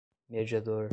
mediador